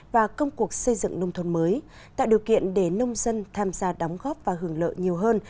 và công cuộc xây dựng nông thôn mới tạo điều kiện để nông dân tham gia đóng góp và hưởng lợi nhiều hơn